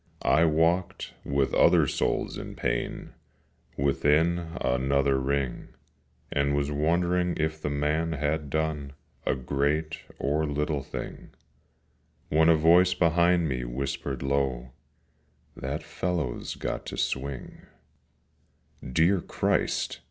I walked, with other souls in pain, Within another ring, And was wondering if the man had done A great or little thing, When a voice behind me whispered low, 'That fellow's got to swing.' Dear Christ!